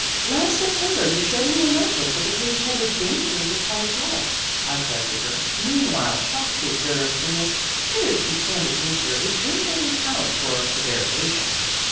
" Last September you showed me a note book with a page headed ' Dangers of College Life,' " I corrected her, mean while shocked to observe in this hitherto candid nature a germinating talent for prevarication.